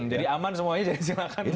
jadi aman semuanya silahkan ke tps